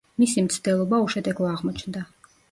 მისი მცდელობა უშედეგო აღმოჩნდა.